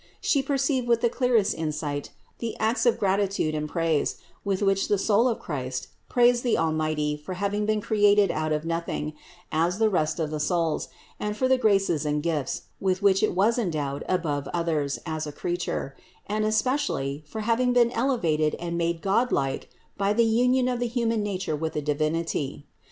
She perceived with the clearest insight the acts of gratitude and praise, with which the soul of Christ praised the Almighty for having been created out of nothing as the rest of the souls, and for the graces and gifts, with which it was endowed above others as a creature; and especially, for having been elevated and made godlike by the union of the human nature with the Divinity.